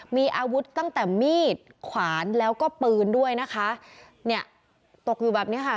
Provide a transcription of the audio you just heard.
มีอาวุธตั้งแต่มีดขวานแล้วก็ปืนด้วยนะคะเนี่ยตกอยู่แบบเนี้ยค่ะ